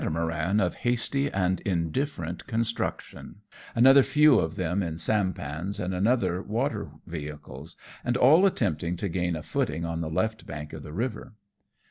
225 maran, of hasty and indifferent construction, another few of them in sampans and other water vehicles, and all attempting to gain a footing on the left bank of the river.